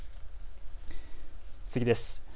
次です。